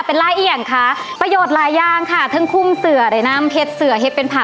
ประโยชน์ลายล่างค่ะถึงคุ้มเสือกหลายน้ำเฮ็ดเป็นผ่า